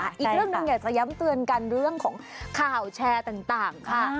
อีกเรื่องหนึ่งอยากจะย้ำเตือนกันเรื่องของข่าวแชร์ต่างค่ะ